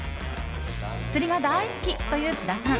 釣りが大好きという津田さん。